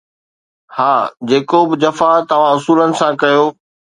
ها، جيڪو به جفا توهان اصولن سان ڪيو